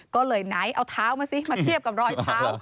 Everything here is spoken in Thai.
ก็เลยไหนเอาเท้ามาสิมาเทียบกับรอยเท้า